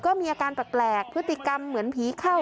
ก็มีอาการแปลกพฤติกรรมเหมือนผีเข้า